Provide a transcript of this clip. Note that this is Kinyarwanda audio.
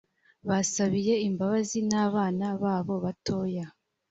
basabiye imbabazi n’abana babo batoya